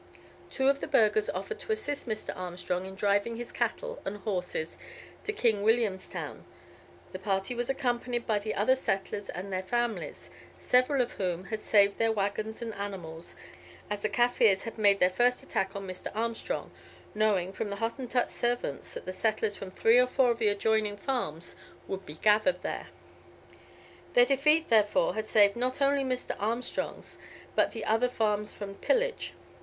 Two of the burghers offered to assist Mr. Armstrong in driving his cattle and horses to King Williamstown. The party was accompanied by the other settlers and their families, several of whom had saved their waggons and animals, as the Kaffirs had made their first attack upon Mr. Armstrong, knowing from the Hottentot servants that the settlers from three or four of the adjoining farms would be gathered there. Their defeat, therefore, had saved not only Mr. Armstrong's, but the other farms from pillage.